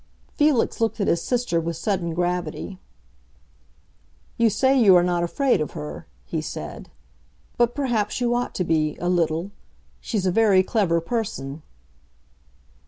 Felix looked at his sister with sudden gravity. "You say you are not afraid of her," he said. "But perhaps you ought to be—a little. She's a very clever person."